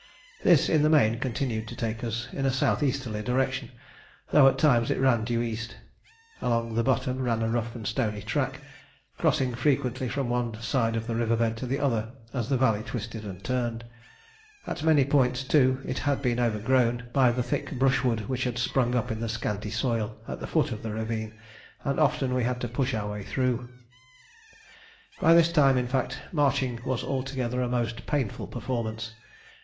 This in the main continued to take us in a south easterly direction, though at times it ran due east. Along the bottom ran a rough and stony track, crossing frequently from one side of the river bed to the other as the valley twisted and turned. At many points, too, it had been overgrown by the thick brushwood which had sprung up in the scanty soil at the foot of the ravine, and often we had to push our way through. By this time, in fact, marching was altogether a most painful performance.